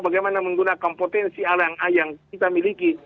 bagaimana menggunakan potensi yang kita miliki